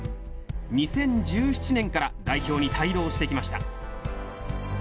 ２０１７年から代表に帯同してきました。